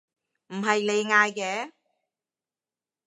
唔係你嗌嘅？